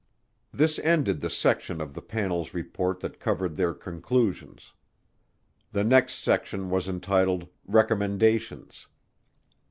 This ended the section of the panel's report that covered their conclusions. The next section was entitled, "Recommendations."